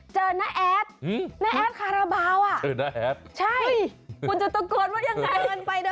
เจอนะแอด